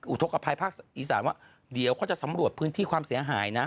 อุทธกภัยภาคอีสานว่าเดี๋ยวเขาจะสำรวจพื้นที่ความเสียหายนะ